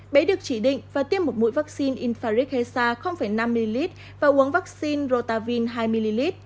bé được chỉ định và tiêm một mũi vaccine infaric hesa năm ml và uống vaccine rotavine hai ml